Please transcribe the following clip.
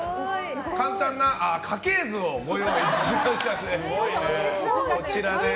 簡単な家系図をご用意しましたので。